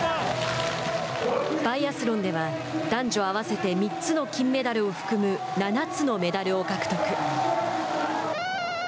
バイアスロンでは、男女合わせて３つの金メダルを含む７つのメダルを獲得。